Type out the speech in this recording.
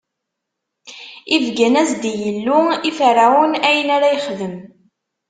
Ibeggen-as-d Yillu i Ferɛun, ayen ara yexdem.